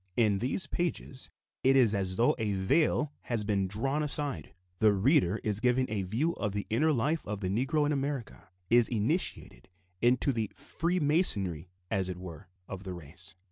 In these pages it is as though a veil had been drawn aside: the reader is given a view of the inner life of the Negro in America, is initiated into the "freemasonry," as it were, of the race.